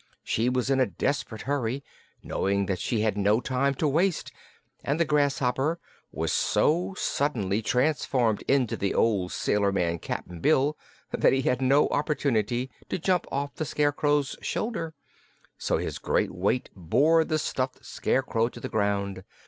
She was in a desperate hurry, knowing that she had no time to waste, and the grasshopper was so suddenly transformed into the old sailor man, Cap'n Bill, that he had no opportunity to jump off the Scarecrow's shoulder; so his great weight bore the stuffed Scarecrow to the ground.